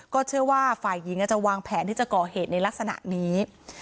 เชื่อว่าฝ่ายหญิงอาจจะวางแผนที่จะก่อเหตุในลักษณะนี้